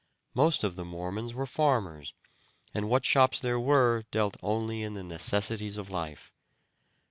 Most of the Mormons were farmers, and what shops there were dealt only in the necessities of life.